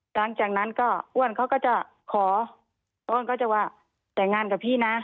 หลังจากนั้นก็อ้วนเขาก็จะขออ้วนก็จะว่าแต่งงานกับพี่นะ